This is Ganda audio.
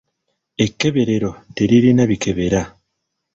Ekkeberero teririna bikebera.